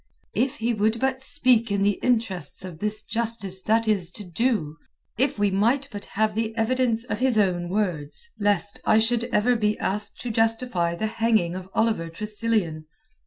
"If he would but speak in the interests of this justice that is to do! If we might but have the evidence of his own words, lest I should ever be asked to justify the hanging of Oliver Tressilian."